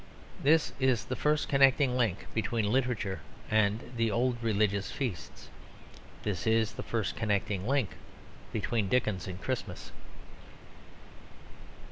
This is the first connecting link between literature and the old religious feast; this is the first connecting link between Dickens and Christmas.